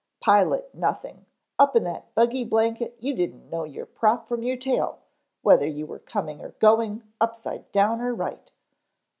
"Pilot nothing, up in that buggy blanket you didn't know your prop from your tail; whether you were going or coming, upside down or right.